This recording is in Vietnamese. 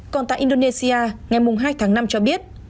còn tại indonesia ngày hai tháng năm cho biết